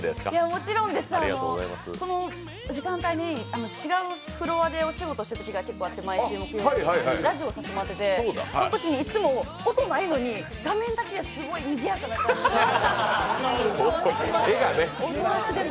もちろんです、この時間帯に違うフロアでお仕事してることが結構あってラジオさせてもらっててそのときにいつも音ないのに、画面だけですごいにぎやかな感じが伝わってきます、音なしでも。